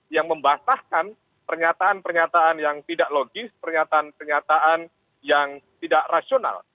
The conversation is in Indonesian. yang membatahkan pernyataan pernyataan yang tidak logis pernyataan pernyataan yang tidak rasional